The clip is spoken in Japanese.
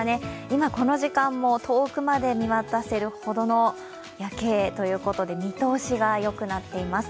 今この時間も遠くまで見渡せるほどの夜景ということで見通しがよくなっています。